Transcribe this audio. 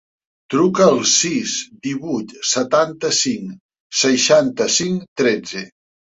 Truca al sis, divuit, setanta-cinc, seixanta-cinc, tretze.